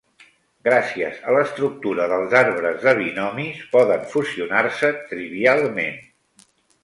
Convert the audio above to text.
Gràcies a l'estructura dels arbres de binomis, poden fusionar-se trivialment.